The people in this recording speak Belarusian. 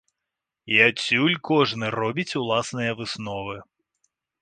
І адсюль кожны робіць уласныя высновы.